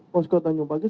posko tanjung pakis